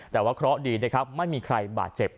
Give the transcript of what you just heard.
แต่ว่าเคราะห์ดีนะครับไม่มีใครบาดเจ็บ